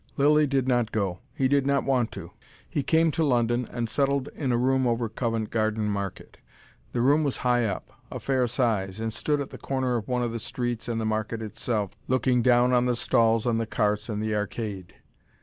Lilly did not go: he did not want to. He came to London and settled in a room over Covent Garden market. The room was high up, a fair size, and stood at the corner of one of the streets and the market itself, looking down on the stalls and the carts and the arcade.